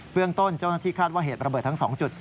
เรื่องต้นเจ้าหน้าที่คาดว่าเหตุระเบิดทั้ง๒จุด